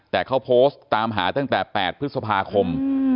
แต่เขาโพสต์ตามหาตั้งแต่๘พฤษภาคม